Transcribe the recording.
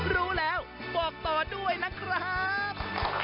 รู้แล้วบอกต่อด้วยนะครับ